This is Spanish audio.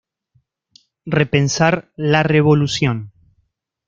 Repensar la revolución".